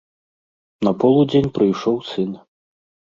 На полудзень прыйшоў сын.